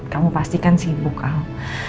kamu pasti kan sibuk al